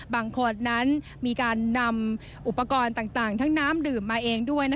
บางคนนั้นมีการนำอุปกรณ์ต่างทั้งน้ำดื่มมาเองด้วย